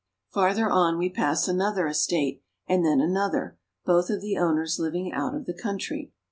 Farther on we pass another estate and then another, both of the owners living out of the country.